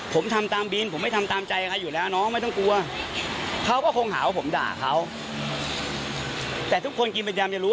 ผมทำตามบินนะครับมันไม่เคยทำตามใจใครนะครับทุกคนจะรู้